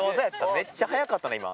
めっちゃ早かったね、今。